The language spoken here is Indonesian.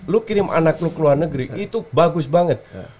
lu kirim anak lo ke luar negeri itu bagus banget